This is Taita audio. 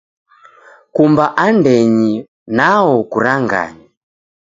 Kumba andenyi nwao kuranganye.